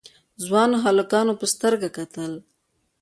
ځوانو هلکانو په سترګه کتل.